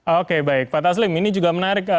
oke baik pak taslim ini juga menarik